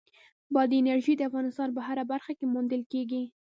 بادي انرژي د افغانستان په هره برخه کې موندل کېږي.